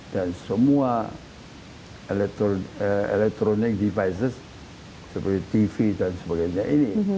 dan semua electronic devices seperti tv dan sebagainya ini